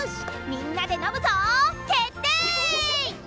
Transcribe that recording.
みんなで飲むぞ！決定！